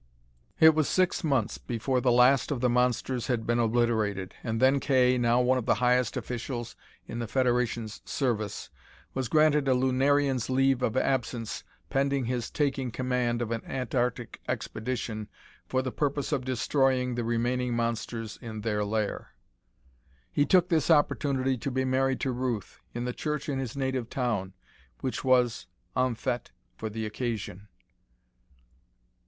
It was six months before the last of the monsters had been obliterated, and then Kay, now one of the highest officials in the Federation's service, was granted a lunarian's leave of absence pending his taking command of an Antarctic expedition for the purpose of destroying the remaining monsters in their lair. He took this opportunity to be married to Ruth, in the church in his native town, which was en fête for the occasion.